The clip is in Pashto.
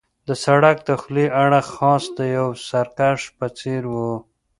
د سړک دخولي اړخ خاص د یوه سرکس په څېر وو.